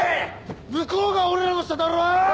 向こうが俺らの下だろ？